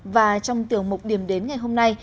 và trong tiểu mục điểm đến ngày hôm nay